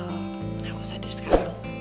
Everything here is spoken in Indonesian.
aku sadar sekali